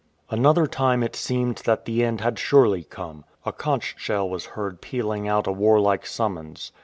Another time it seemed that the end had surely come. A conch shell was heard pealing out a warlike summons.